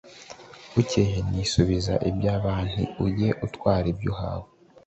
bukeye ntisubiza ibyabanti ujye utwara ibyo uhawe